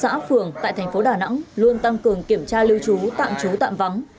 công an năm mươi sáu xã phường tại thành phố đà nẵng luôn tăng cường kiểm tra lưu trú tạm trú tạm vắng